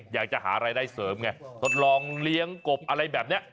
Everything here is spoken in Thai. อยากจะหารายได้เสริมไงทดลองเลี้ยงกบอะไรแบบนี้